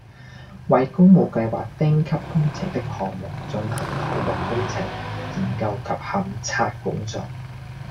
為工務計劃丁級工程的項目進行土木工程、研究及勘測工作